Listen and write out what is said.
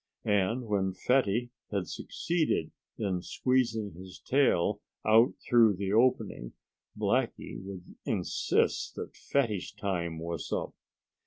And when Fatty had succeeded in squeezing HIS tail out through the opening Blackie would insist that Fatty's time was up.